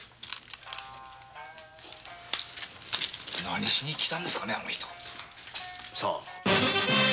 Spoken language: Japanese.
何しに来たんですかねぇ？